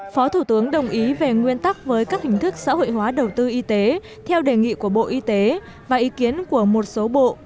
phó thủ tướng đồng ý về nguyên tắc với các hình thức xã hội hóa đầu tư y tế theo đề nghị của bộ y tế và ý kiến của một số bộ